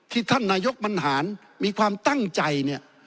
ท่านนายกบรรหารมีความตั้งใจเนี่ย